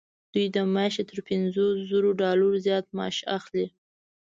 دوی د میاشتې تر پنځوس زرو ډالرو زیات معاش اخلي.